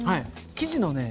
生地のね